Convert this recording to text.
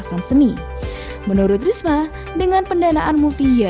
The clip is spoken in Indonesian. jadi sebetulnya makanya desainnya